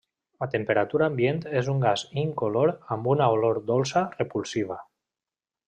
A temperatura ambient és un gas incolor amb una olor dolça repulsiva.